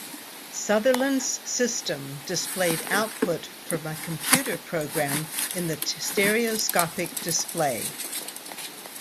Sutherland's system displayed output from a computer program in the stereoscopic display.